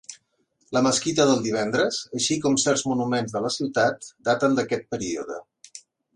La mesquita del Divendres així com certs monuments de la ciutat daten d'aquest període.